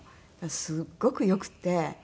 すごく良くて。